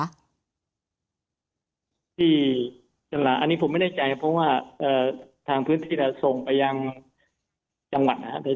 ที่สลาอันนี้ผมไม่แน่ใจเพราะว่าทางพื้นที่เราส่งไปยังจังหวัดนะครับ